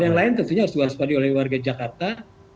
hal yang lain tentunya harus diperhatikan oleh warga jakarta